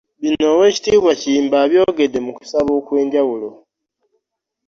Bino Oweekitiibwa Kiyimba abyogeredde mu kusaba okwenjawulo.